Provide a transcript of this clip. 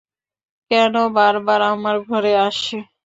কেন বারবার আমার ঘরে আসে?